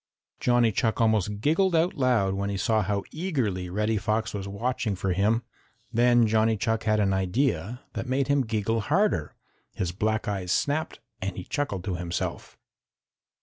Johnny Chuck almost giggled out loud as he saw how eagerly Reddy Fox was watching for him. Then Johnny Chuck had an idea that made him giggle harder. His black eyes snapped and he chuckled to himself.